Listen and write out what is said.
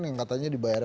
yang katanya dibayar